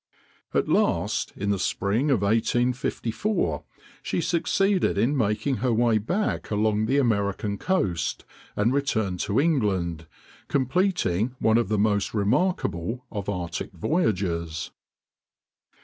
At last, in the spring of 1854, she succeeded in making her way back along the American coast, and returned to England, completing one of the most remarkable of Arctic voyages.